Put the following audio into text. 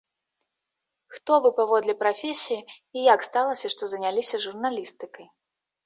Хто вы паводле прафесіі і як сталася, што заняліся журналістыкай?